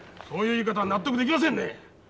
そういう言い方は納得できませんね！